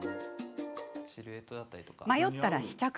迷ったら試着。